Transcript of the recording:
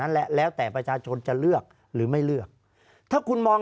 แหละแล้วแต่ประชาชนจะเลือกหรือไม่เลือกถ้าคุณมอง